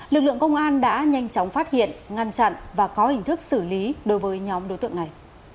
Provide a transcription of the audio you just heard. lực lượng công an đã nhanh chóng phát hiện ngăn chặn và có hình thức xử lý đối với nhóm đối tượng này